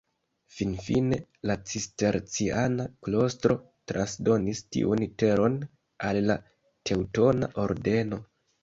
Finfine la cisterciana klostro transdonis tiun Teron al la Teŭtona Ordeno.